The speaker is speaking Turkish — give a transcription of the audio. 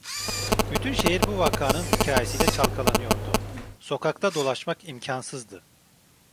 Bütün şehir bu vakanın hikayesiyle çalkalanıyordu; sokakta dolaşmak imkansızdı.